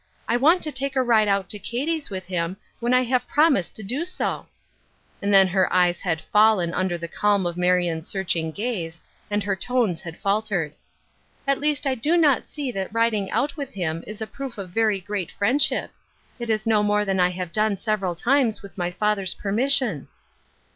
" I want to take a ride out to Katie's with him when I have prom isee^ to do so." And then her eves had fallen 162 Ruth Erskine'i Cronies, under the calm of Marion's searching gaze, and her tones had faltered. " At least I do not see that riding out with him is a proof of very groat friendship. It is no more than I have done several times with my father's permission."